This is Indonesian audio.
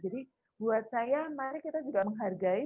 jadi buat saya mari kita juga menghargai